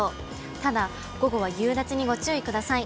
ただ、午後は夕立にご注意ください。